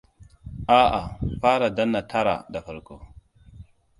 A'a fara danna tara da farko.